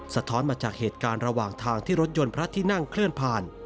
สะท้อนมาจากเหตุการณ์ระหว่างทางที่รถยนต์พระที่นั่งเคลื่อนผ่าน